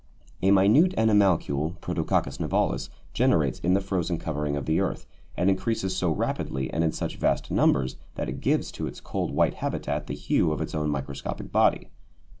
A minute animalcule (Protococcus nivalis) generates in the frozen covering of the earth, and increases so rapidly and in such vast numbers that it gives to its cold white habitat the hue of its own microscopic body.